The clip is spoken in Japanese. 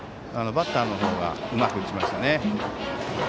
バッターの方はうまく打ちましたね。